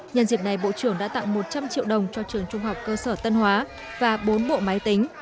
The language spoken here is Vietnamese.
nhân dịp này bộ trưởng đã tặng một trăm linh triệu đồng cho trường trung học cơ sở tân hóa và bốn bộ máy tính